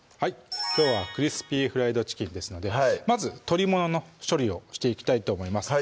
きょうは「クリスピーフライドチキン」ですのでまず鶏ももの処理をしていきたいと思います